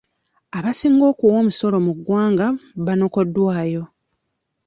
Abasinga okuwa omusolo mu ggwanga banokoddwayo.